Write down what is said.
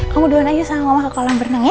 kamu duan aja sama mama ke kolam berenang ya